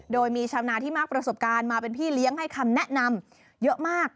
โดยมีชาวนาที่มากประสบการณ์มาเป็นพี่เลี้ยงให้คำแนะนำเยอะมาก